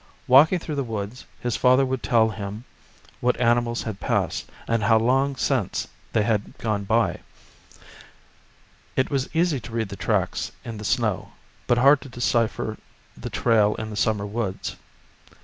Walking through the woods his father would tell 'him what animals had passed, and how long since they had gone by. It was easy to read the tracks in the gnow, 13 The Story of Tecumseh but hard to decipher the trail in the summer woods.